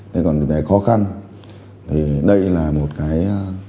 thế còn về khó khăn thì đây là một cái